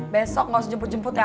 besok gak usah jemput jemput aja ya